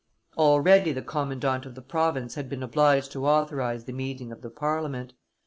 Already the commandant of the province had been obliged to authorize the meeting of the Parliament.